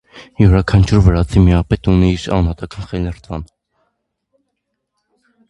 Յուրաքանչյուր վրացի միապետը ուներ իր անհատական խելրթվան։